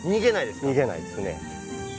逃げないですね。